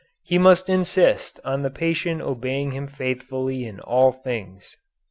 He must insist on the patient obeying him faithfully in all things."